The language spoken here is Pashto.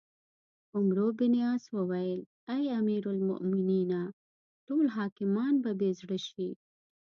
عمروبن عاص وویل: اې امیرالمؤمنینه! ټول حاکمان به بې زړه شي.